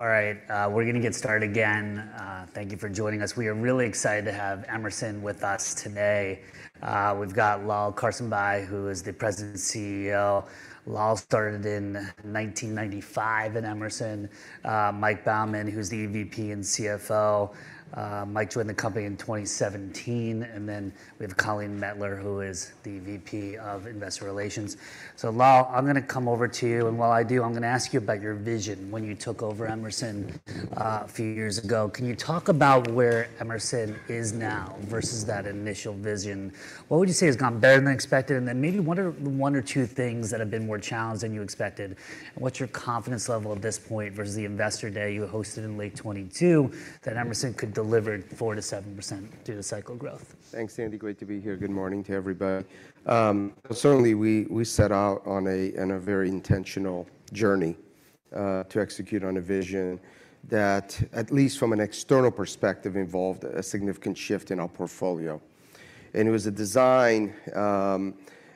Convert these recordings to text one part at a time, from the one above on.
All right, we're gonna get started again. Thank you for joining us. We are really excited to have Emerson with us today. We've got Lal Karsanbhai, who is the President and CEO. Lal started in 1995 in Emerson. Mike Baughman, who's the EVP and CFO. Mike joined the company in 2017, and then we have Colleen Mettler, who is the VP of Investor Relations. So Lal, I'm gonna come over to you, and while I do, I'm gonna ask you about your vision when you took over Emerson, a few years ago. Can you talk about where Emerson is now versus that initial vision? What would you say has gone better than expected, and then maybe what are one or two things that have been more challenged than you expected? What's your confidence level at this point versus the Investor Day you hosted in late 2022, that Emerson could deliver 4%-7% due to cycle growth? Thanks, Andy. Great to be here. Good morning to everybody. Certainly, we set out on a very intentional journey to execute on a vision that, at least from an external perspective, involved a significant shift in our portfolio. And it was a design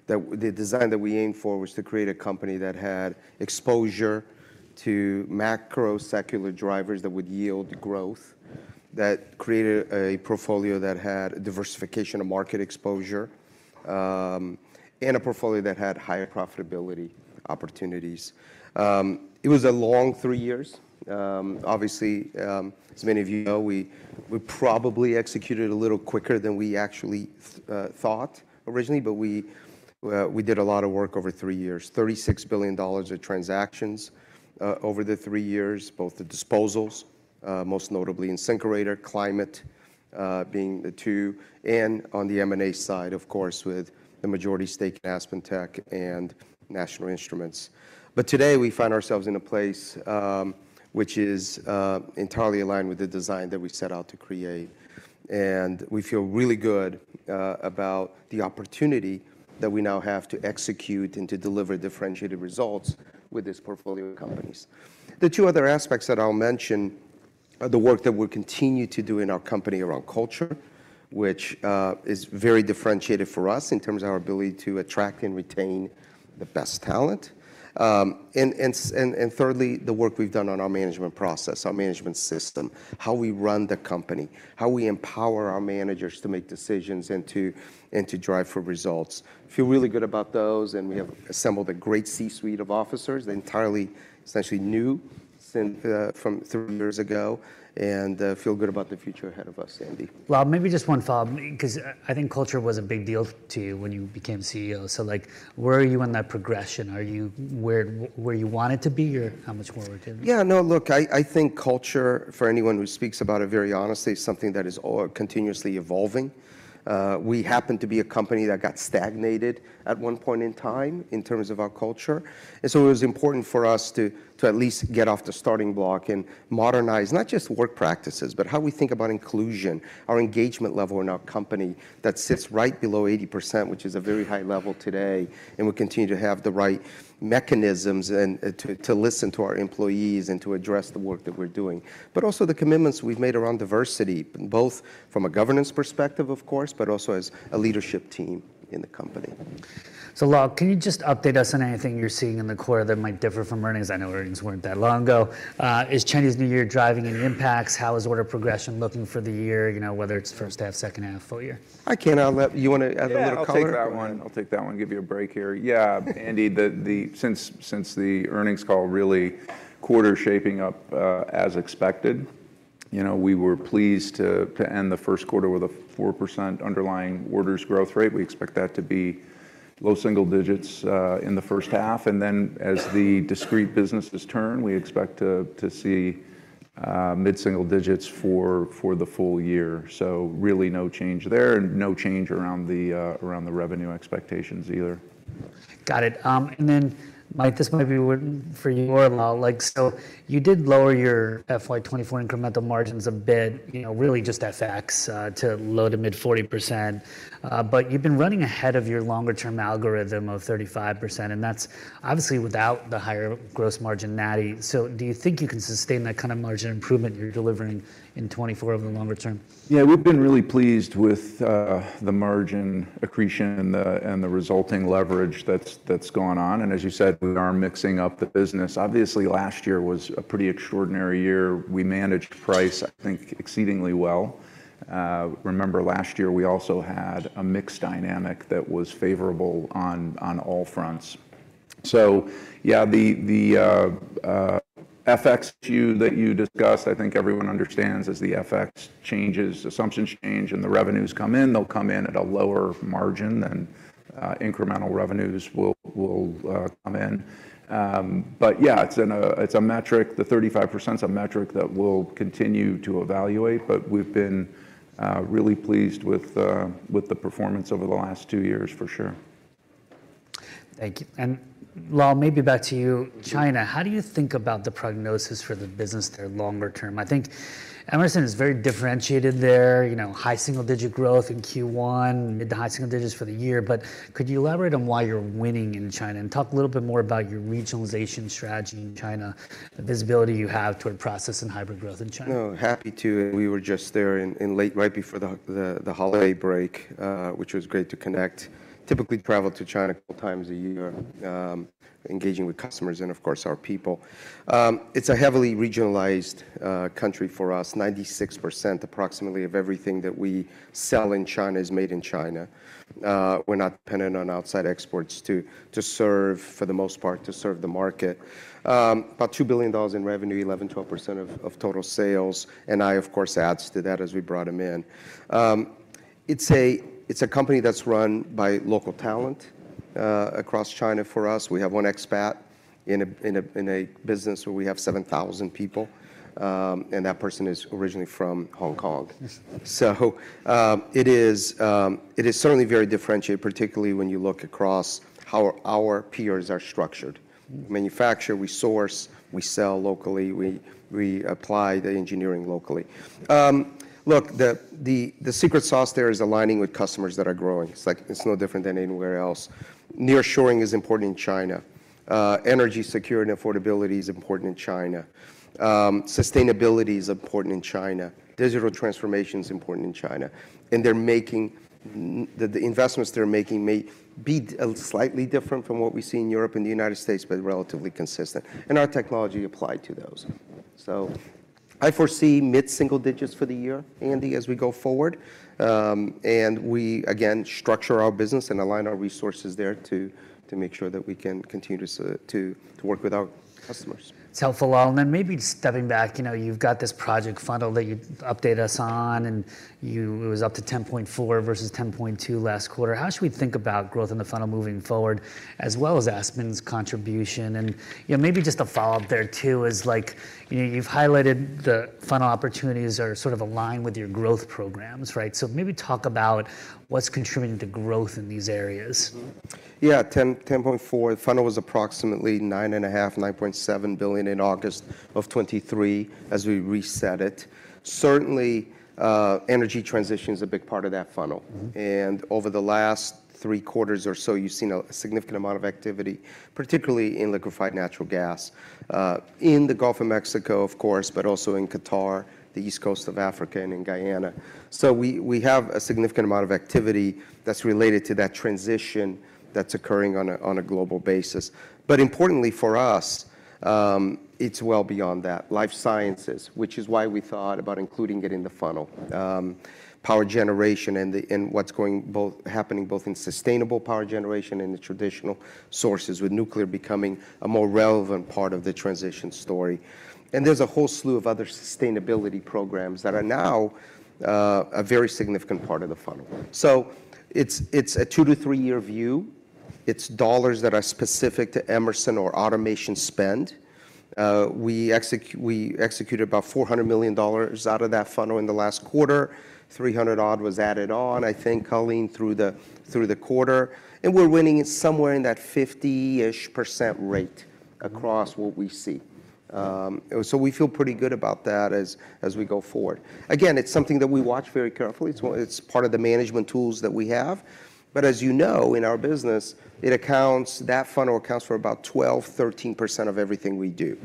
that the design that we aimed for was to create a company that had exposure to macro secular drivers that would yield growth, that created a portfolio that had diversification of market exposure, and a portfolio that had higher profitability opportunities. It was a long three years. Obviously, as many of you know, we probably executed a little quicker than we actually thought originally, but we did a lot of work over three years. $36 billion of transactions over the 3 years, both the disposals, most notably InSinkErator Climate, being the two, and on the M&A side, of course, with the majority stake in AspenTech and National Instruments. But today, we find ourselves in a place, which is entirely aligned with the design that we set out to create. We feel really good about the opportunity that we now have to execute and to deliver differentiated results with these portfolio companies. The two other aspects that I'll mention are the work that we're continuing to do in our company around culture, which is very differentiated for us in terms of our ability to attract and retain the best talent. And thirdly, the work we've done on our management process, our management system, how we run the company, how we empower our managers to make decisions and to drive for results. Feel really good about those, and we have assembled a great C-suite of officers. They're entirely, essentially new since from three years ago, and feel good about the future ahead of us, Andy. Lal, maybe just one follow-up, 'cause I, I think culture was a big deal to you when you became CEO. So, like, where are you on that progression? Are you where you wanted to be, or how much more work to do? Yeah, no, look, I think culture, for anyone who speaks about it very honestly, is something that is continuously evolving. We happen to be a company that got stagnated at one point in time in terms of our culture, and so it was important for us to at least get off the starting block and modernize not just work practices, but how we think about inclusion, our engagement level in our company, that sits right below 80%, which is a very high level today. We continue to have the right mechanisms to listen to our employees and to address the work that we're doing. But also the commitments we've made around diversity, both from a governance perspective, of course, but also as a leadership team in the company. So Lal, can you just update us on anything you're seeing in the quarter that might differ from earnings? I know earnings weren't that long ago. Is Chinese New Year driving any impacts? How is order progression looking for the year, you know, whether it's first half, second half, full year? I can... you wanna add a little color? Yeah, I'll take that one. I'll take that one and give you a break here. Andy, since the earnings call, the quarter is really shaping up as expected. You know, we were pleased to end the first quarter with a 4% underlying orders growth rate. We expect that to be low single digits in the first half, and then as the discrete businesses turn, we expect to see mid-single digits for the full year. So really no change there and no change around the revenue expectations either. Got it. And then, Mike, this might be one for you or Lal. Like, so you did lower your FY 2024 incremental margins a bit, you know, really just FX to low-to-mid 40%. But you've been running ahead of your longer-term algorithm of 35%, and that's obviously without the higher gross margin NATI. So do you think you can sustain that kind of margin improvement you're delivering in 2024 over the longer term? Yeah, we've been really pleased with the margin accretion and the resulting leverage that's gone on. And as you said, we are mixing up the business. Obviously, last year was a pretty extraordinary year. We managed price, I think, exceedingly well. Remember last year, we also had a mixed dynamic that was favorable on all fronts. So yeah, the FX view that you discussed, I think everyone understands as the FX changes, assumptions change, and the revenues come in, they'll come in at a lower margin than incremental revenues will come in. But yeah, it's a metric, the 35%'s a metric that we'll continue to evaluate, but we've been really pleased with the performance over the last two years, for sure. Thank you. And Lal, maybe back to you. China, how do you think about the prognosis for the business there longer term? I think Emerson is very differentiated there, you know, high single-digit growth in Q1, mid to high single digits for the year. But could you elaborate on why you're winning in China and talk a little bit more about your regionalization strategy in China, the visibility you have toward process and hybrid growth in China? No, happy to. We were just there in late, right before the holiday break, which was great to connect. Typically, travel to China a couple times a year, engaging with customers and, of course, our people. It's a heavily regionalized country for us. 96%, approximately, of everything that we sell in China is made in China. We're not dependent on outside exports to serve, for the most part, to serve the market. About $2 billion in revenue, 11%-12% of total sales, and NI, of course, adds to that as we brought them in. It's a company that's run by local talent across China for us. We have one expat in a business where we have 7,000 people, and that person is originally from Hong Kong. So, it is certainly very differentiated, particularly when you look across how our peers are structured. We manufacture, we source, we sell locally, we apply the engineering locally. Look, the secret sauce there is aligning with customers that are growing. It's like, it's no different than anywhere else. Nearshoring is important in China. Energy security and affordability is important in China. Sustainability is important in China. Digital transformation is important in China, and they're making the investments they're making may be slightly different from what we see in Europe and the United States, but relatively consistent, and our technology applied to those. I foresee mid-single digits for the year, Andy, as we go forward. We again structure our business and align our resources there to make sure that we can continue to work with our customers. It's helpful. Well, and then maybe stepping back, you know, you've got this project funnel that you update us on, and you it was up to 10.4% versus 10.2% last quarter. How should we think about growth in the funnel moving forward, as well as Aspen's contribution? And, you know, maybe just a follow-up there, too, is like, you know, you've highlighted the funnel opportunities are sort of aligned with your growth programs, right? So maybe talk about what's contributing to growth in these areas. Mm-hmm. Yeah, 10%, 10.4%. The funnel was approximately $9.5-$9.7 billion in August of 2023, as we reset it. Certainly, energy transition is a big part of that funnel. Over the last three quarters or so, you've seen a significant amount of activity, particularly in liquefied natural gas in the Gulf of Mexico, of course, but also in Qatar, the East Coast of Africa, and in Guyana. So we have a significant amount of activity that's related to that transition that's occurring on a global basis. But importantly for us, it's well beyond that. Life sciences, which is why we thought about including it in the funnel. Power generation and what's happening both in sustainable power generation and the traditional sources, with nuclear becoming a more relevant part of the transition story. And there's a whole slew of other sustainability programs that are now a very significant part of the funnel. So it's a two to three year view. It's dollars that are specific to Emerson or automation spend. We executed about $400 million out of that funnel in the last quarter. 300 odd was added on, I think, Colleen, through the quarter, and we're winning it somewhere in that 50-ish% rate across what we see. So we feel pretty good about that as we go forward. Again, it's something that we watch very carefully. It's part of the management tools that we have. But as you know, in our business, it accounts, that funnel accounts for about 12%-13% of everything we do.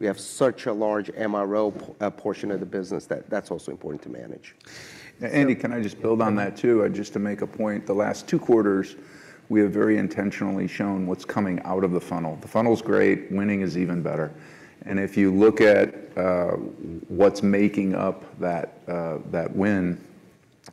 We have such a large MRO portion of the business that that's also important to manage. Andy, can I just build on that, too? Sure. Just to make a point, the last two quarters, we have very intentionally shown what's coming out of the funnel. The funnel's great, winning is even better. And if you look at what's making up that, that win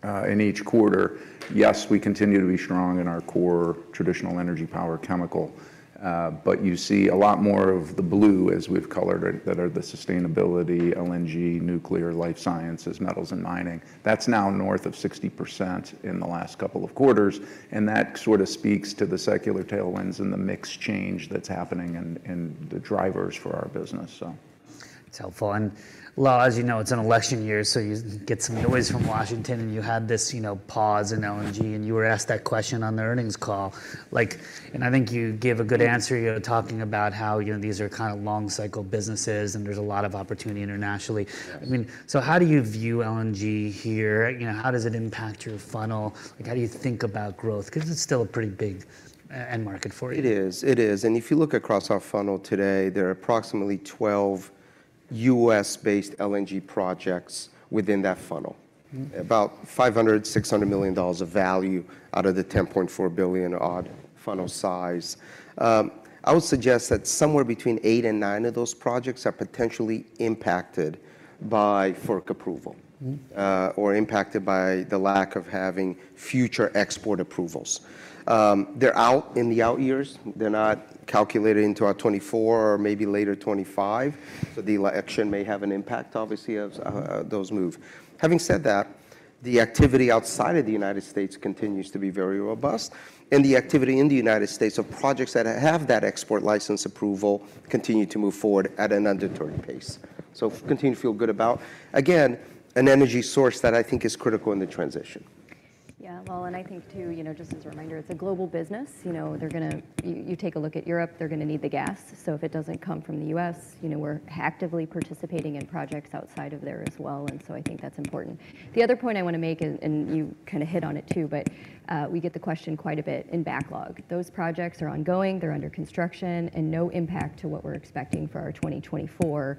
in each quarter, yes, we continue to be strong in our core, traditional energy, power, chemical. But you see a lot more of the blue, as we've colored, that are the sustainability, LNG, nuclear, life sciences, metals and mining. That's now north of 60% in the last couple of quarters, and that sort of speaks to the secular tailwinds and the mix change that's happening and, and the drivers for our business, so. It's helpful. And Lal, as you know, it's an election year, so you get some noise from Washington, and you had this, you know, pause in LNG, and you were asked that question on the earnings call. Like and I think you gave a good answer. You were talking about how, you know, these are kind of long cycle businesses, and there's a lot of opportunity internationally. Yes. I mean, so how do you view LNG here? You know, how does it impact your funnel? Like, how do you think about growth? Because it's still a pretty big end market for you. It is, it is, and if you look across our funnel today, there are approximately 12 U.S.-based LNG projects within that funnel. About $500 million-$600 million of value out of the $10.4 billion odd funnel size. I would suggest that somewhere between eight and nine of those projects are potentially impacted by FERC approval or impacted by the lack of having future export approvals. They're out in the out years. They're not calculated into our 2024 or maybe later 2025, so the election may have an impact, obviously, as those move. Having said that, the activity outside of the United States continues to be very robust, and the activity in the United States of projects that have that export license approval continue to move forward at an undeterred pace. So continue to feel good about, again, an energy source that I think is critical in the transition. Yeah, well, and I think too, you know, just as a reminder, it's a global business. You know, they're gonna... you take a look at Europe, they're gonna need the gas. So if it doesn't come from the US, you know, we're actively participating in projects outside of there as well, and so I think that's important. The other point I want to make, and you kind of hit on it, too, but we get the question quite a bit in backlog. Those projects are ongoing, they're under construction, and no impact to what we're expecting for our 2024.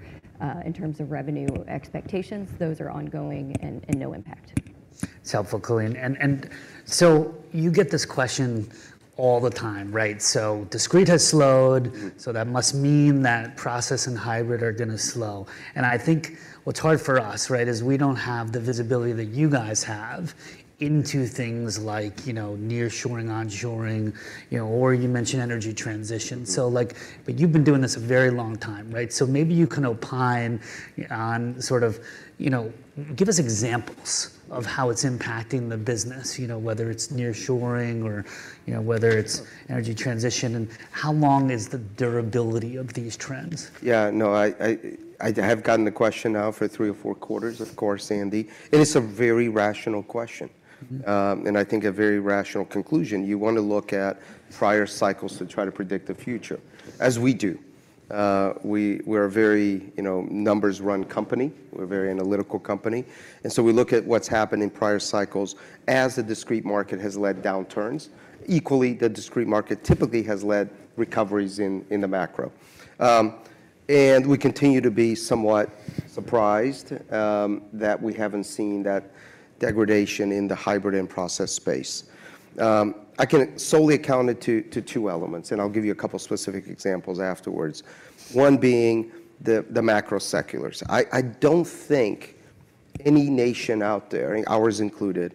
In terms of revenue expectations, those are ongoing and no impact. It's helpful, Colleen. And so you get this question all the time, right? So discrete has slowed, so that must mean that process and hybrid are gonna slow. And I think what's hard for us, right, is we don't have the visibility that you guys have into things like, you know, nearshoring, onshoring, you know, or you mentioned energy transition. So like, but you've been doing this a very long time, right? So maybe you can opine on sort of, you know, give us examples of how it's impacting the business, you know, whether it's nearshoring or, you know, whether it's energy transition, and how long is the durability of these trends? Yeah, no, I have gotten the question now for three or four quarters, of course, Andy. It is a very rational question and I think a very rational conclusion. You wanna look at prior cycles to try to predict the future, as we do. We, we're a very, you know, numbers-run company. We're a very analytical company, and so we look at what's happened in prior cycles as the discrete market has led downturns. Equally, the discrete market typically has led recoveries in the macro. And we continue to be somewhat surprised that we haven't seen that degradation in the hybrid and process space. I can solely account it to two elements, and I'll give you a couple specific examples afterwards, one being the macro seculars. I don't think any nation out there, and ours included,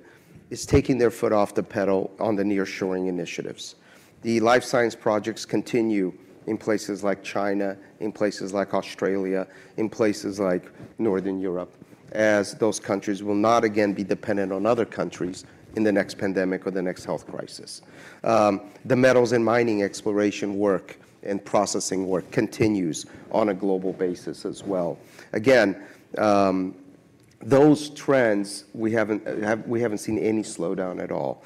is taking their foot off the pedal on the nearshoring initiatives. The life science projects continue in places like China, in places like Australia, in places like Northern Europe, as those countries will not again be dependent on other countries in the next pandemic or the next health crisis. The metals and mining exploration work and processing work continues on a global basis as well. Again, those trends, we haven't seen any slowdown at all.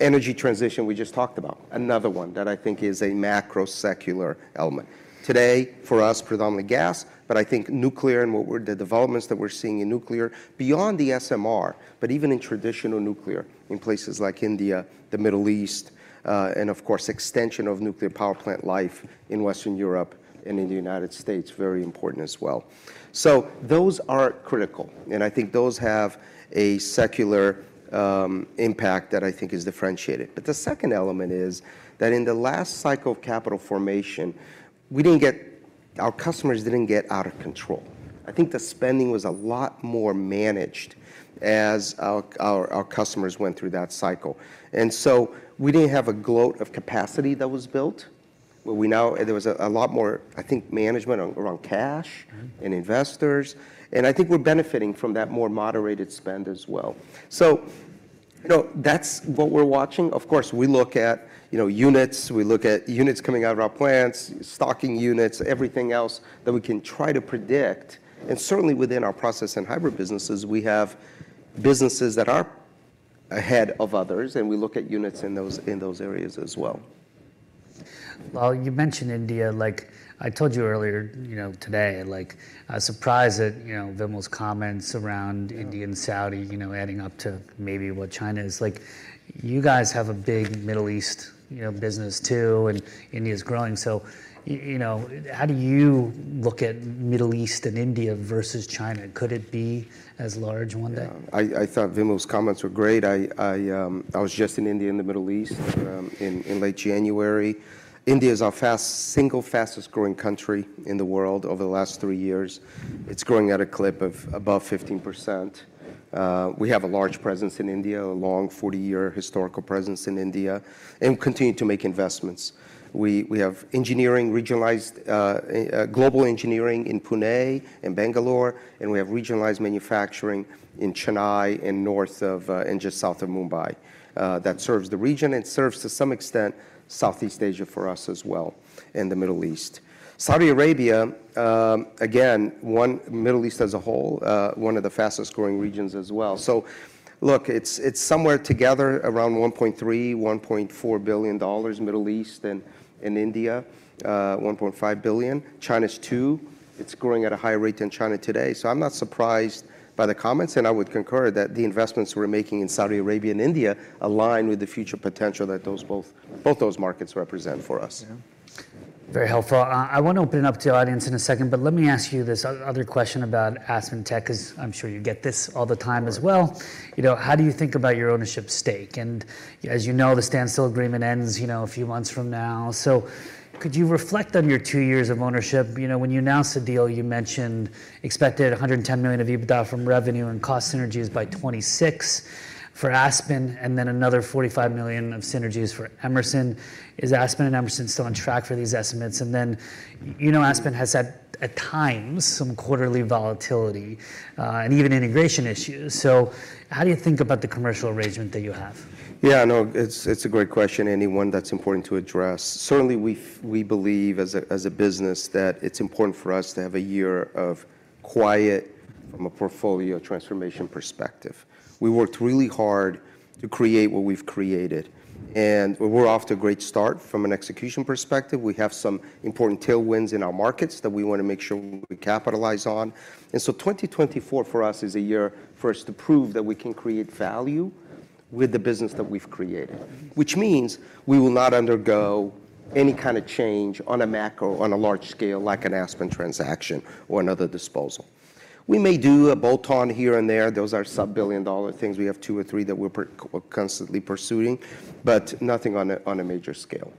Energy transition, we just talked about, another one that I think is a macro secular element. Today, for us, predominantly gas, but I think nuclear and what we're, the developments that we're seeing in nuclear beyond the SMR, but even in traditional nuclear in places like India, the Middle East, and of course, extension of nuclear power plant life in Western Europe and in the United States, very important as well. So those are critical, and I think those have a secular impact that I think is differentiated. But the second element is that in the last cycle of capital formation, our customers didn't get out of control. I think the spending was a lot more managed as our customers went through that cycle, and so we didn't have a glut of capacity that was built. But we now. There was a lot more, I think, management around cash-And investors, and I think we're benefiting from that more moderated spend as well. So, you know, that's what we're watching. Of course, we look at, you know, units, we look at units coming out of our plants, stocking units, everything else that we can try to predict. And certainly within our process and hybrid businesses, we have businesses that are ahead of others, and we look at units in those, in those areas as well. Well, you mentioned India. Like I told you earlier, you know, today, like, I was surprised at, you know, Vimal's comments around India and Saudi, you know, adding up to maybe what China is. Like, you guys have a big Middle East, you know, business, too, and India's growing. So you know, how do you look at Middle East and India versus China? Could it be as large one day? Yeah. I thought Vimal's comments were great. I was just in India and the Middle East in late January. India is our fastest-growing country in the world over the last three years. It's growing at a clip of above 15%. We have a large presence in India, a long 40-year historical presence in India, and continue to make investments. We have engineering, regionalized global engineering in Pune and Bangalore, and we have regionalized manufacturing in Chennai and north of and just south of Mumbai. That serves the region, and it serves, to some extent, Southeast Asia for us as well, and the Middle East. Saudi Arabia, again, Middle East as a whole, one of the fastest-growing regions as well. So look, it's, it's somewhere together around $1.3 billion-$1.4 billion, Middle East and, and India, one point five billion. China's too. It's growing at a higher rate than China today, so I'm not surprised by the comments, and I would concur that the investments we're making in Saudi Arabia and India align with the future potential that those both- both those markets represent for us. Yeah. Very helpful. I wanna open it up to the audience in a second, but let me ask you this other question about AspenTech, 'cause I'm sure you get this all the time as well. You know, how do you think about your ownership stake? And as you know, the standstill agreement ends, you know, a few months from now. So could you reflect on your two years of ownership? You know, when you announced the deal, you mentioned expected $110 million of EBITDA from revenue and cost synergies by 2026 for Aspen, and then another $45 million of synergies for Emerson. Is Aspen and Emerson still on track for these estimates? And then, you know, Aspen has had, at times, some quarterly volatility, and even integration issues. So how do you think about the commercial arrangement that you have? Yeah, no, it's, it's a great question, and one that's important to address. Certainly, we believe as a, as a business, that it's important for us to have a year of quiet from a portfolio transformation perspective. We worked really hard to create what we've created, and we're off to a great start from an execution perspective. We have some important tailwinds in our markets that we wanna make sure we capitalize on. And so 2024 for us is a year for us to prove that we can create value with the business that we've created, which means we will not undergo any kind of change on a macro, on a large scale, like an Aspen transaction or another disposal. We may do a bolt-on here and there. Those are sub-billion dollar things. We have two or three that we're constantly pursuing, but nothing on a major scale.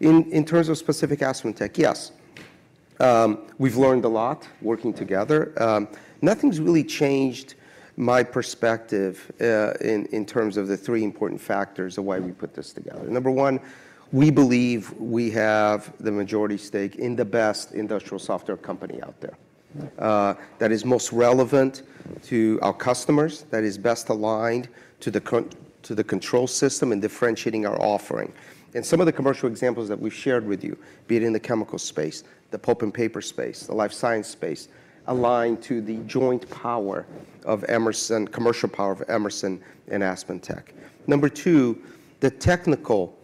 In terms of specific AspenTech, yes, we've learned a lot working together. Nothing's really changed my perspective, in terms of the three important factors of why we put this together. Number one, we believe we have the majority stake in the best industrial software company out there, that is most relevant to our customers, that is best aligned to the control system and differentiating our offering. And some of the commercial examples that we've shared with you, be it in the chemical space, the pulp and paper space, the life science space, align to the joint power of Emerson, commercial power of Emerson and AspenTech. Number two, the technical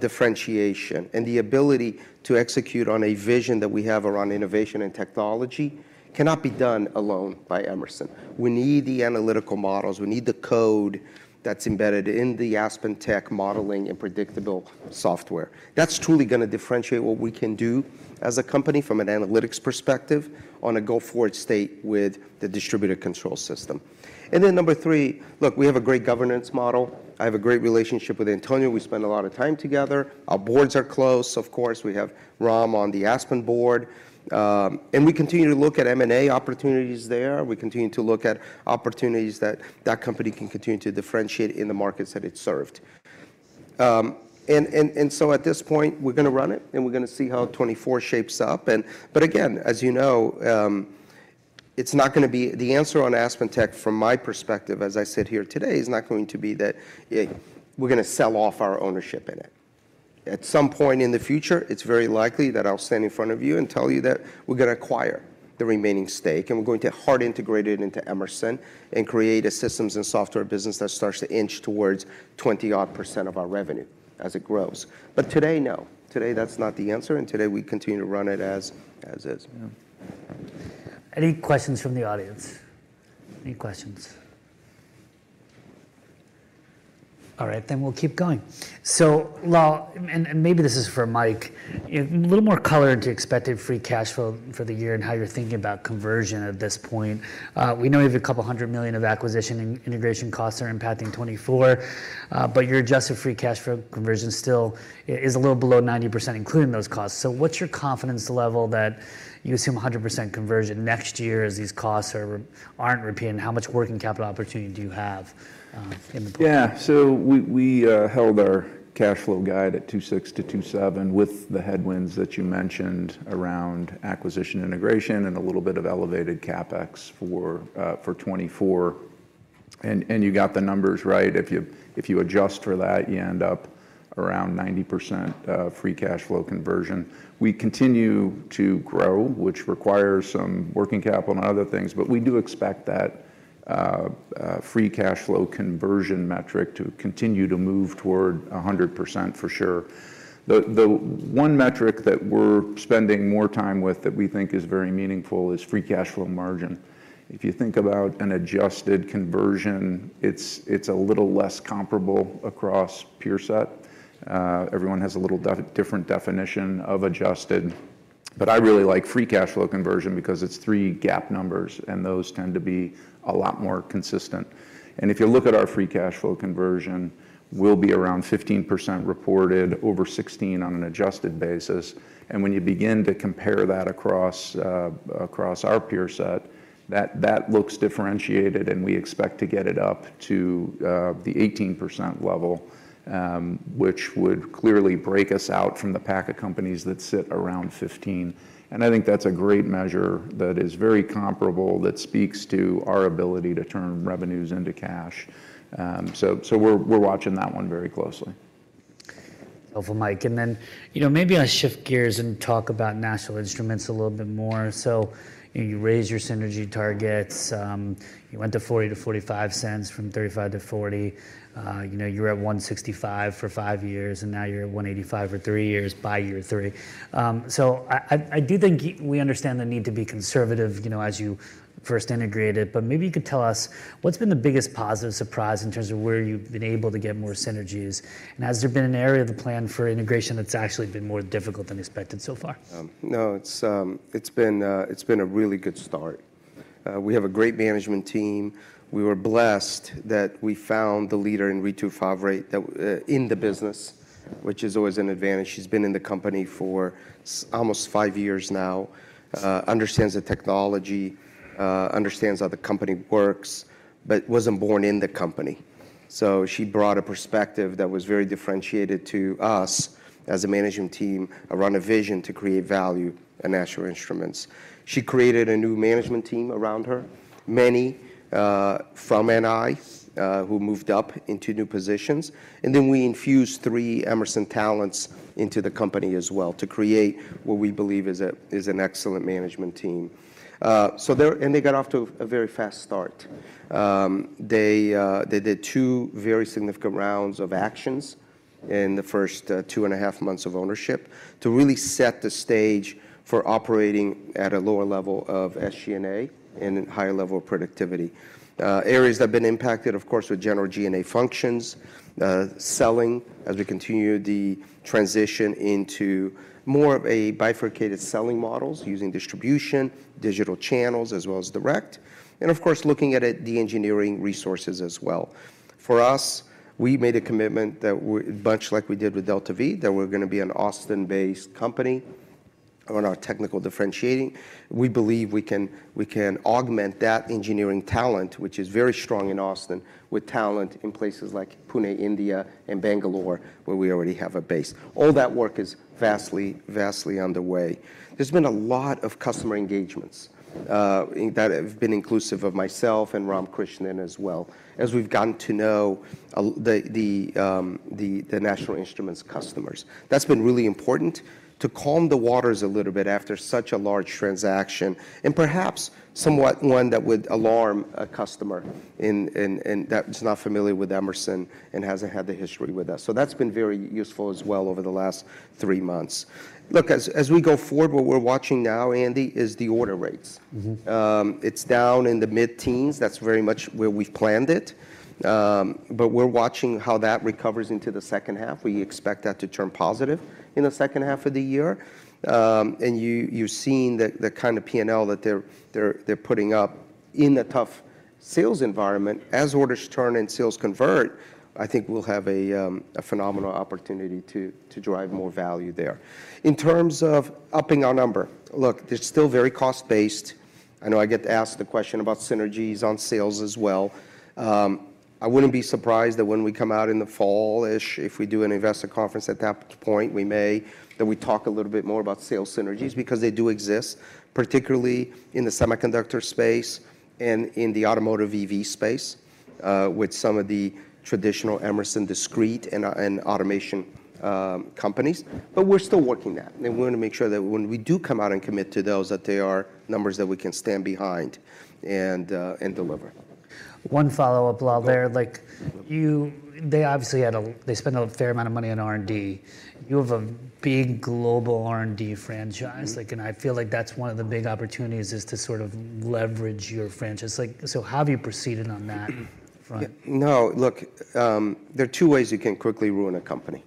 differentiation and the ability to execute on a vision that we have around innovation and technology cannot be done alone by Emerson. We need the analytical models. We need the code that's embedded in the AspenTech modeling and predictable software. That's truly gonna differentiate what we can do as a company from an analytics perspective on a go-forward state with the distributed control system. And then number three, look, we have a great governance model. I have a great relationship with Antonio. We spend a lot of time together. Our boards are close. Of course, we have Ram on the Aspen board. And we continue to look at M&A opportunities there. We continue to look at opportunities that that company can continue to differentiate in the markets that it served. And so at this point, we're gonna run it, and we're gonna see how 2024 shapes up, and but again, as you know, it's not gonna be the answer on AspenTech from my perspective, as I sit here today, is not going to be that we're gonna sell off our ownership in it. At some point in the future, it's very likely that I'll stand in front of you and tell you that we're gonna acquire the remaining stake, and we're going to hard integrate it into Emerson and create a systems and software business that starts to inch towards 20-odd% of our revenue as it grows. But today, no. Today, that's not the answer, and today we continue to run it as is. Yeah. Any questions from the audience? Any questions? All right, then we'll keep going. So well, and, and maybe this is for Mike, a little more color into expected free cash flow for the year and how you're thinking about conversion at this point. We know you have a couple of hundred million of acquisition and integration costs are impacting 2024, but your adjusted free cash flow conversion still is a little below 90%, including those costs. So what's your confidence level that you assume 100% conversion next year as these costs aren't repeating? How much working capital opportunity do you have, in the- Yeah. So we held our cash flow guide at $2.6-$2.7 with the headwinds that you mentioned around acquisition integration and a little bit of elevated CapEx for 2024. And you got the numbers right. If you adjust for that, you end up around 90% free cash flow conversion. We continue to grow, which requires some working capital and other things, but we do expect that free cash flow conversion metric to continue to move toward 100% for sure. The one metric that we're spending more time with that we think is very meaningful is free cash flow margin. If you think about an adjusted conversion, it's a little less comparable across peer set. Everyone has a little different definition of adjusted, but I really like free cash flow conversion because it's three GAAP numbers, and those tend to be a lot more consistent. And if you look at our free cash flow conversion, we'll be around 15% reported, over 16% on an adjusted basis. And when you begin to compare that across our peer set, that looks differentiated, and we expect to get it up to the 18% level, which would clearly break us out from the pack of companies that sit around 15. And I think that's a great measure that is very comparable, that speaks to our ability to turn revenues into cash. So, we're watching that one very closely. Helpful, Mike. And then, you know, maybe I shift gears and talk about National Instruments a little bit more. So you raise your synergy targets, you went to $0.40-$0.45 from $0.35-$0.40. You know, you were at $1.65 for five years, and now you're at $1.85 for three years by year three. So I do think we understand the need to be conservative, you know, as you first integrate it, but maybe you could tell us, what's been the biggest positive surprise in terms of where you've been able to get more synergies? And has there been an area of the plan for integration that's actually been more difficult than expected so far? No, it's been a really good start. We have a great management team. We were blessed that we found the leader in Ritu Favre, that in the business, which is always an advantage. She's been in the company for almost five years now, understands the technology, understands how the company works, but wasn't born in the company. So she brought a perspective that was very differentiated to us as a management team around a vision to create value at National Instruments. She created a new management team around her, many from NI, who moved up into new positions. And then we infused three Emerson talents into the company as well to create what we believe is an excellent management team. So and they got off to a very fast start. They did 2 very significant rounds of actions in the first 2.5 months of ownership to really set the stage for operating at a lower level of SG&A and a higher level of productivity. Areas that have been impacted, of course, with general G&A functions, selling, as we continue the transition into more of a bifurcated selling models using distribution, digital channels, as well as direct, and of course, looking at it, the engineering resources as well. We made a commitment that we're, much like we did with DeltaV, that we're gonna be an Austin-based company on our technical differentiating. We believe we can augment that engineering talent, which is very strong in Austin, with talent in places like Pune, India, and Bangalore, where we already have a base. All that work is vastly, vastly underway. There's been a lot of customer engagements that have been inclusive of myself and Ram Krishnan as well, as we've gotten to know the National Instruments customers. That's been really important to calm the waters a little bit after such a large transaction, and perhaps somewhat one that would alarm a customer that's not familiar with Emerson and hasn't had the history with us. So that's been very useful as well over the last three months. Look, as we go forward, what we're watching now, Andy, is the order rates. It's down in the mid-teens. That's very much where we've planned it. But we're watching how that recovers into the second half. We expect that to turn positive in the second half of the year. And you've seen the kind of P&L that they're putting up in a tough sales environment. As orders turn and sales convert, I think we'll have a phenomenal opportunity to drive more value there. In terms of upping our number, look, it's still very cost-based. I know I get asked the question about synergies on sales as well. I wouldn't be surprised that when we come out in the fall-ish, if we do an investor conference at that point, we may talk a little bit more about sales synergies, because they do exist, particularly in the semiconductor space and in the automotive EV space, with some of the traditional Emerson discrete and automation companies, but we're still working that, and we want to make sure that when we do come out and commit to those, that they are numbers that we can stand behind and deliver. One follow-up, Lal, there. Like, they obviously spent a fair amount of money on R&D. You have a big global R&D franchise I feel like, and I feel like that's one of the big opportunities, is to sort of leverage your franchise. Like, so how have you proceeded on that front? No, look, there are two ways you can quickly ruin a company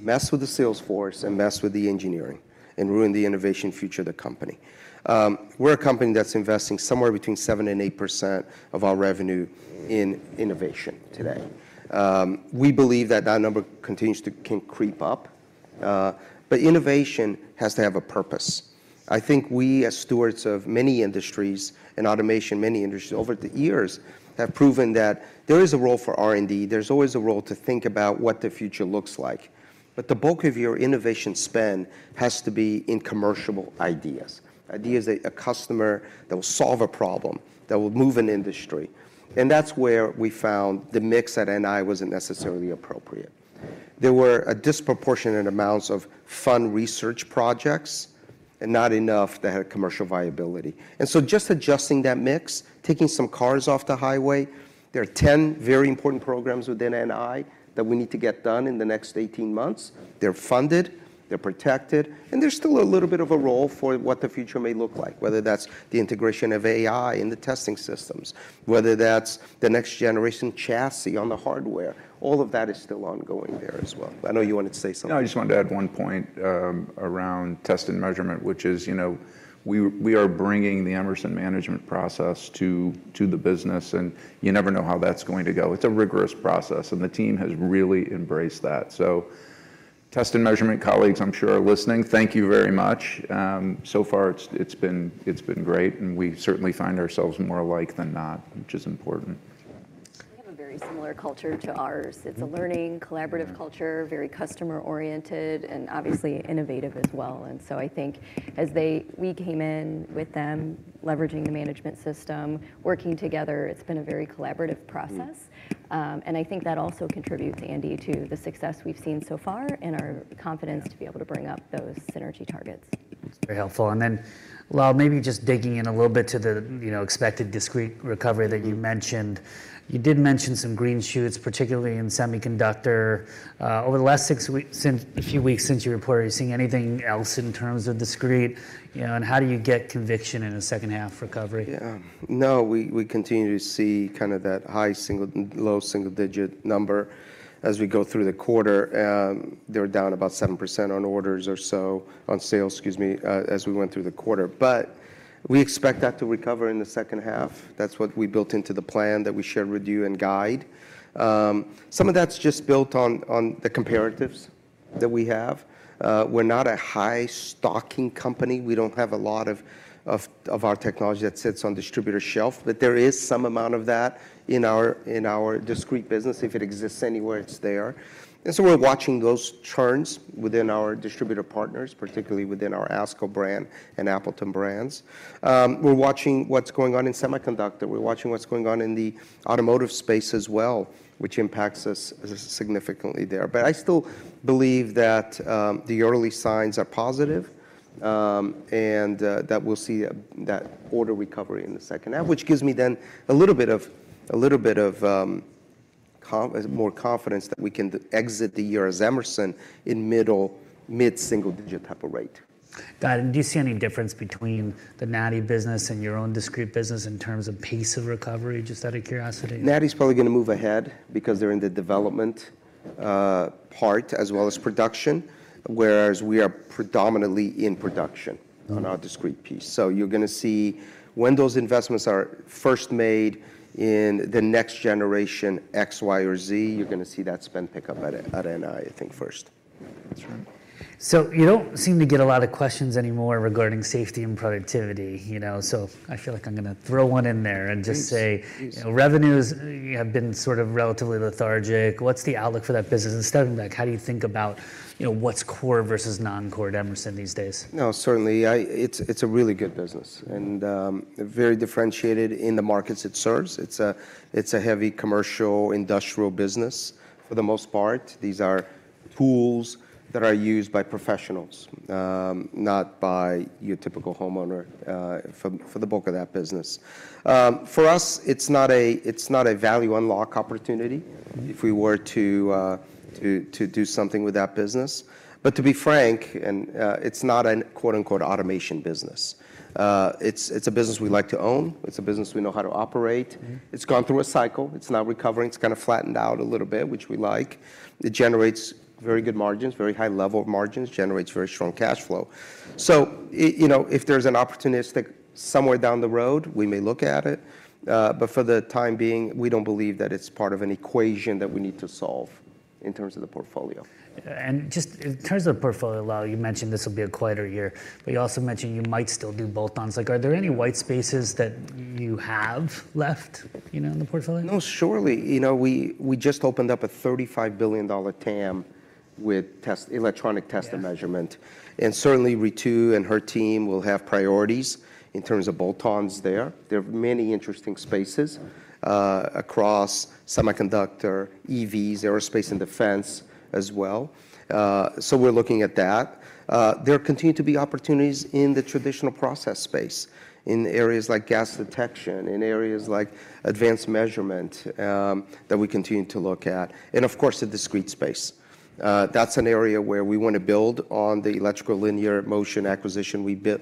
mess with the sales force and mess with the engineering and ruin the innovation future of the company. We're a company that's investing somewhere between 7% and 8% of our revenue in innovation today. We believe that that number continues to kind of creep up, but innovation has to have a purpose. I think we, as stewards of many industries, and automation, many industries over the years, have proven that there is a role for R&D. There's always a role to think about what the future looks like. But the bulk of your innovation spend has to be in commercial ideas, ideas that a customer that will solve a problem, that will move an industry. And that's where we found the mix at NI wasn't necessarily appropriate. There were a disproportionate amounts of fun research projects and not enough that had commercial viability. And so just adjusting that mix, taking some cars off the highway. There are 10 very important programs within NI that we need to get done in the next 18 months. They're funded, they're protected, and there's still a little bit of a role for what the future may look like, whether that's the integration of AI in the testing systems, whether that's the next-generation chassis on the hardware. All of that is still ongoing there as well. I know you wanted to say something. No, I just wanted to add one point around test and measurement, which is, you know, we are bringing the Emerson management process to the business, and you never know how that's going to go. It's a rigorous process, and the team has really embraced that. So test and measurement colleagues, I'm sure, are listening. Thank you very much. So far, it's been great, and we certainly find ourselves more alike than not, which is important. Yeah. They have a very similar culture to ours. It's a learning, collaborative culture very customer oriented and obviously innovative as well, and so I think as we came in with them, leveraging the management system, working together, it's been a very collaborative process. And I think that also contributes, Andy, to the success we've seen so far and our confidence to be able to bring up those synergy targets. That's very helpful. And then, Lal, maybe just digging in a little bit to the, you know, expected discrete recovery that you mentioned. You did mention some green shoots, particularly in semiconductor. Over the last six weeks since you reported, are you seeing anything else in terms of discrete, you know, and how do you get conviction in a second-half recovery? Yeah. No, we continue to see kind of that high single, low single-digit number as we go through the quarter. They were down about 7% on orders or so, on sales, excuse me, as we went through the quarter, but we expect that to recover in the second half. That's what we built into the plan that we shared with you in guide. Some of that's just built on the comparatives that we have. We're not a high-stocking company. We don't have a lot of our technology that sits on distributor shelf, but there is some amount of that in our discrete business. If it exists anywhere, it's there. And so we're watching those churns within our distributor partners, particularly within our ASCO brand and Appleton brands. We're watching what's going on in semiconductor. We're watching what's going on in the automotive space as well, which impacts us significantly there. But I still believe that the early signs are positive, and that we'll see that order recovery in the second half, which gives me then a little bit of more confidence that we can exit the year as Emerson in middle, mid-single-digit type of rate. Got it. Do you see any difference between the NATI business and your own discrete business in terms of pace of recovery, just out of curiosity? NATI probably gonna move ahead because they're in the development part as well as production, whereas we are predominantly in production on our discrete piece. Mm. So you're gonna see when those investments are first made in the next generation, X, Y, or Z, you're gonna see that spend pick up at NI, I think, first. That's right. So you don't seem to get a lot of questions anymore regarding safety and productivity, you know, so I feel like I'm gonna throw one in there. Please, please. And just say, revenues have been sort of relatively lethargic. What's the outlook for that business? And starting back, how do you think about, you know, what's core versus non-core at Emerson these days? No, certainly, it's a really good business, and very differentiated in the markets it serves. It's a heavy commercial, industrial business. For the most part, these are tools that are used by professionals, not by your typical homeowner, for the bulk of that business. For us, it's not a value unlock opportunity, if we were to do something with that business. But to be frank, and it's not a, quote, unquote, automation business. It's a business we like to own. It's a business we know how to operate. It's gone through a cycle. It's now recovering. It's kinda flattened out a little bit, which we like. It generates very good margins, very high level of margins, generates very strong cash flow. So you know, if there's an opportunity somewhere down the road, we may look at it. But for the time being, we don't believe that it's part of an equation that we need to solve in terms of the portfolio. Just in terms of portfolio, Lal, you mentioned this will be a quieter year, but you also mentioned you might still do bolt-ons. Like, are there any white spaces that you have left, you know, in the portfolio? Oh, surely. You know, we just opened up a $35 billion TAM with test, electronic test and measurement. Certainly, Ritu and her team will have priorities in terms of bolt-ons there. There are many interesting spaces across semiconductor, EVs, aerospace and defense as well. So we're looking at that. There continue to be opportunities in the traditional process space, in areas like gas detection, in areas like advanced measurement that we continue to look at, and of course, the discrete space. That's an area where we want to build on the electrical linear motion acquisition we did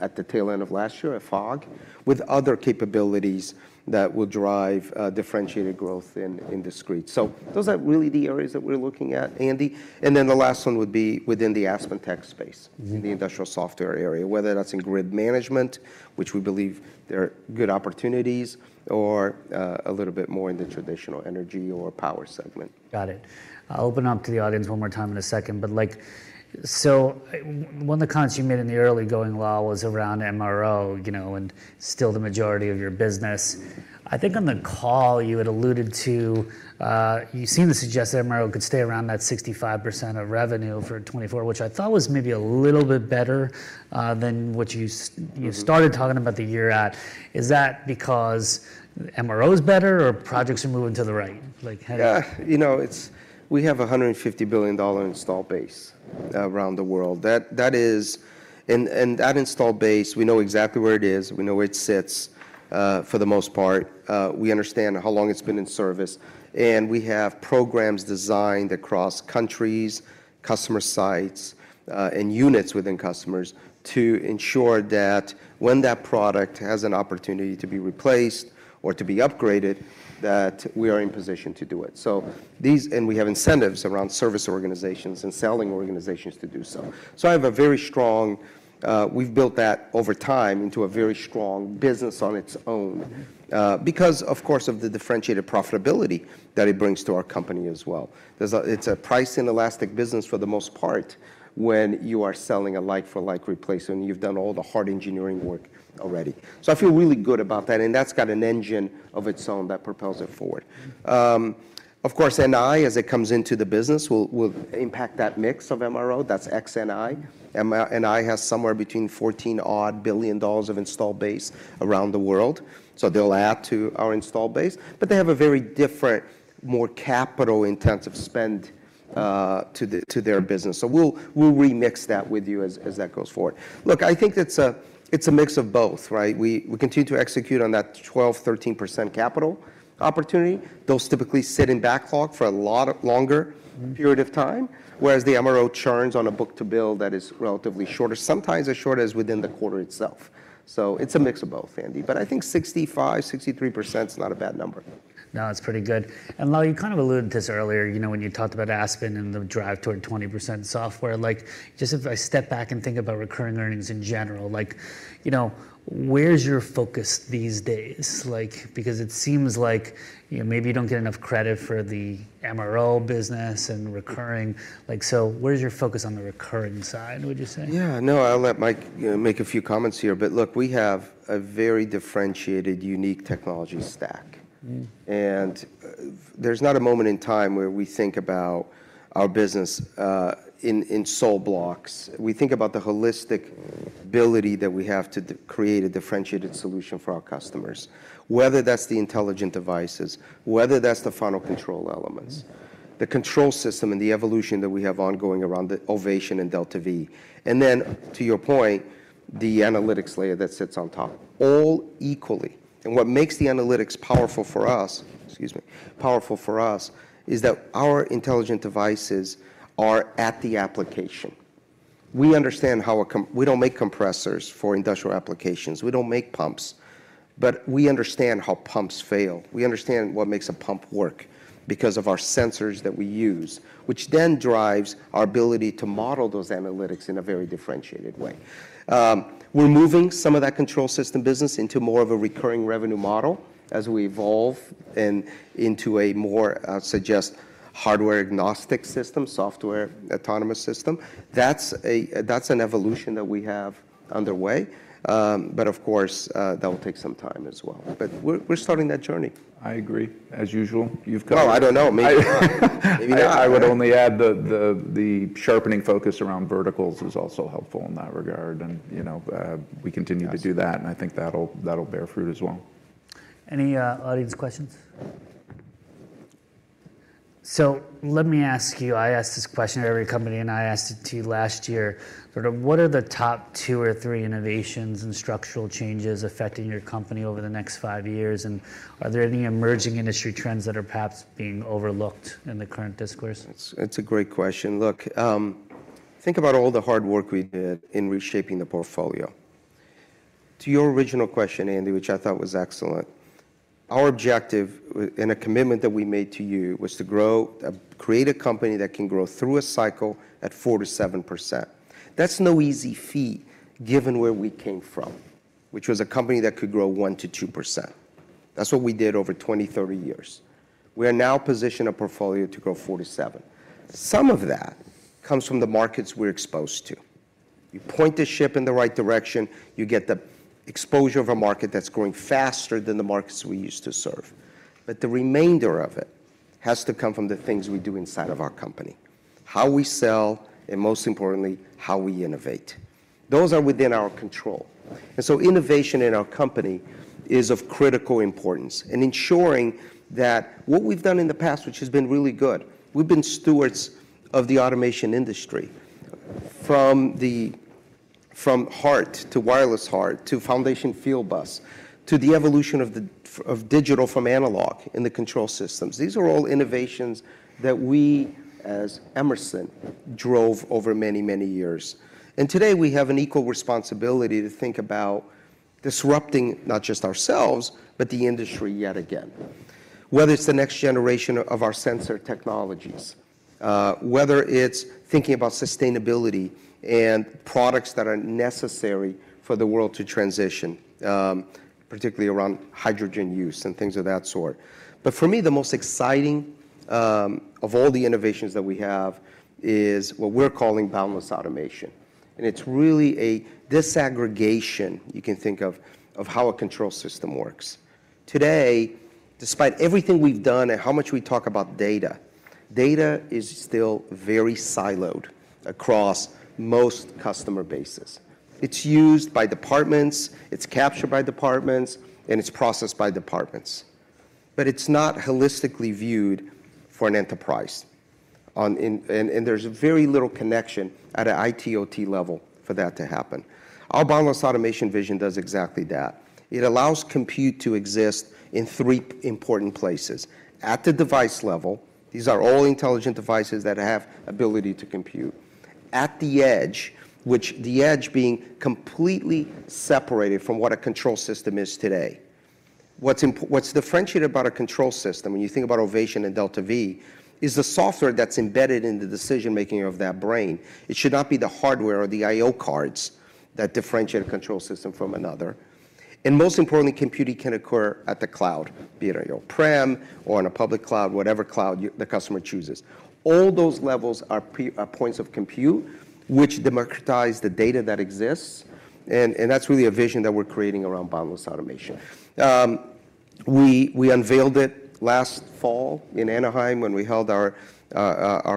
at the tail end of last year at Afag, with other capabilities that will drive differentiated growth in discrete. So those are really the areas that we're looking at, Andy. And thenthe last one would be within the AspenTech space. In the industrial software area, whether that's in grid management, which we believe there are good opportunities, or, a little bit more in the traditional energy or power segment. Got it. I'll open up to the audience one more time in a second, but, like so one of the cons you made in the early going, Lal, was around MRO, you know, and still the majority of your business. I think on the call you had alluded to, you seemed to suggest that MRO could stay around that 65% of revenue for 2024, which I thought was maybe a little bit better than what you started talking about the year ahead. Is that because MRO is better or projects are moving to the right? Like, how do you? Yeah, you know, it's, we have a $150 billion install base around the world. That is And that install base, we know exactly where it is, we know where it sits, for the most part, we understand how long it's been in service, and we have programs designed across countries, customer sites, and units within customers, to ensure that when that product has an opportunity to be replaced or to be upgraded, that we are in position to do it. So these and we have incentives around service organizations and selling organizations to do so. So I have a very strong, we've built that over time into a very strong business on its own, because, of course, of the differentiated profitability that it brings to our company as well. There's a, it's a price inelastic business for the most part, when you are selling a like for like replacement, you've done all the hard engineering work already. So I feel really good about that, and that's got an engine of its own that propels it forward. Of course, NI, as it comes into the business, will impact that mix of MRO. That's NI. NI has somewhere between $14 billion of install base around the world, so they'll add to our install base, but they have a very different, more capital-intensive spend, to their business. So we'll remix that with you as that goes forward. Look, I think it's a mix of both, right? We continue to execute on that 12%-13% capital opportunity. Those typically sit in backlog for a lot longer period of time, whereas the MRO churns on a book to bill that is relatively shorter, sometimes as short as within the quarter itself. So it's a mix of both, Andy, but I think 65%, 63% is not a bad number. No, it's pretty good. And Lal, you kind of alluded to this earlier, you know, when you talked about Aspen and the drive toward 20% software. Like, just if I step back and think about recurring earnings in general, like, you know, where's your focus these days? Like, because it seems like, you know, maybe you don't get enough credit for the MRO business and recurring, like, so where is your focus on the recurring side, would you say? Yeah. No, I'll let Mike, you know, make a few comments here. But look, we have a very differentiated, unique technology stack. There's not a moment in time where we think about our business in silo blocks. We think about the holistic ability that we have to create a differentiated solution for our customers, whether that's the intelligent devices, whether that's the final control elements the control system and the evolution that we have ongoing around the Ovation and DeltaV. And then to your point, the analytics layer that sits on top, all equally. And what makes the analytics powerful for us, excuse me, powerful for us, is that our intelligent devices are at the application. We don't make compressors for industrial applications. We don't make pumps, but we understand how pumps fail. We understand what makes a pump work because of our sensors that we use, which then drives our ability to model those analytics in a very differentiated way. We're moving some of that control system business into more of a recurring revenue model as we evolve into a more software/hardware-agnostic system, software-autonomous system. That's an evolution that we have underway and of course, that will take some time as well, but we're starting that journey. I agree, as usual. You've- Well, I don't know, maybe, maybe not. I would only add the sharpening focus around verticals is also helpful in that regard, and, you know, we continue to do that, and I think that'll bear fruit as well. Any audience questions? So let me ask you, I ask this question to every company, and I asked it to you last year: sort of what are the top two or three innovations and structural changes affecting your company over the next five years, and are there any emerging industry trends that are perhaps being overlooked in the current discourse? It's, it's a great question. Look, think about all the hard work we did in reshaping the portfolio. To your original question, Andy, which I thought was excellent, our objective, and a commitment that we made to you, was to grow, create a company that can grow through a cycle at 4%-7%. That's no easy feat, given where we came from, which was a company that could grow 1%-2%. That's what we did over 20-30 years. We are now positioned a portfolio to grow 4%-7%. Some of that comes from the markets we're exposed to. You point the ship in the right direction, you get the exposure of a market that's growing faster than the markets we used to serve. But the remainder of it has to come from the things we do inside of our company, how we sell, and most importantly, how we innovate. Those are within our control. And so innovation in our company is of critical importance in ensuring that what we've done in the past, which has been really good, we've been stewards of the automation industry, from HART to WirelessHART, to Foundation Fieldbus, to the evolution of digital from analog in the control systems. These are all innovations that we, as Emerson, drove over many, many years. And today, we have an equal responsibility to think about disrupting not just ourselves, but the industry yet again. Whether it's the next generation of our sensor technologies, whether it's thinking about sustainability and products that are necessary for the world to transition, particularly around hydrogen use and things of that sort. But for me, the most exciting of all the innovations that we have is what we're calling Boundless Automation, and it's really a disaggregation, you can think of, of how a control system works. Today, despite everything we've done and how much we talk about data, data is still very siloed across most customer bases. It's used by departments, it's captured by departments, and it's processed by departments, but it's not holistically viewed for an enterprise. And there's very little connection at an IT/OT level for that to happen. Our Boundless Automation vision does exactly that. It allows compute to exist in three important places: at the device level, these are all intelligent devices that have ability to compute; at the edge, which the edge being completely separated from what a control system is today. What's differentiated about a control system, when you think about Ovation and DeltaV, is the software that's embedded in the decision-making of that brain. It should not be the hardware or the IO cards that differentiate a control system from another. And most importantly, computing can occur at the cloud, be it on your prem or on a public cloud, whatever cloud the customer chooses. All those levels are points of compute, which democratize the data that exists, and that's really a vision that we're creating around Boundless Automation. We unveiled it last fall in Anaheim when we held our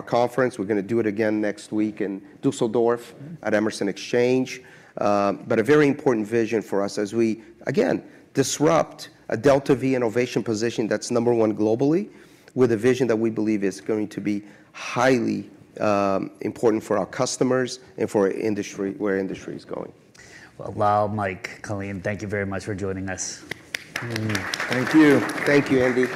conference. We're gonna do it again next week in Düsseldorf at Emerson Exchange. But a very important vision for us as we, again, disrupt a DeltaV innovation position that's number one globally, with a vision that we believe is going to be highly important for our customers and for industry, where industry is going. Well, Lal, Mike, Colleen, thank you very much for joining us. Thank you. Thank you, Andy.